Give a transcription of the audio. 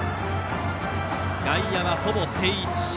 外野は、ほぼ定位置。